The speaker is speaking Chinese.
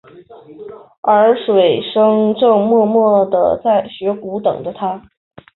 而水笙正默默地在雪谷等着他。